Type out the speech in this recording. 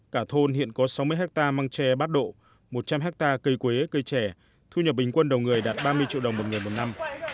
cả thôn hiện có sáu mươi hectare măng tre bát độ một trăm linh hectare cây quế cây trẻ thu nhập bình quân đầu người đạt ba mươi triệu đồng một người một năm